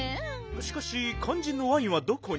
しかしかんじんのワインはどこに。